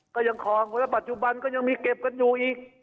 ก็ยังคลองแล้วปัจจุบันก็ยังมีเก็บกันอยู่อีก